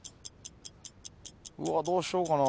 うわどうしようかな。